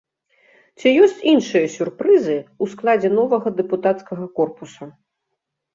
Ці ёсць іншыя сюрпрызы ў складзе новага дэпутацкага корпуса?